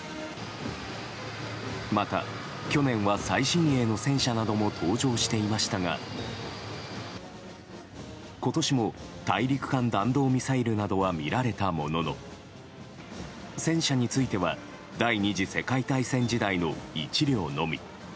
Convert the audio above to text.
また去年は最新鋭の戦車なども登場していましたが今年も大陸間弾道ミサイルなどは見られたものの戦車については第２次世界大戦時代の１両のみ。